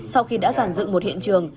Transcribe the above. sau khi đã giàn dựng một hiện trường